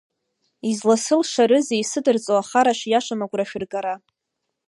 Изласылшарызеи исыдырҵо ахара шиашам агәра шәыргара?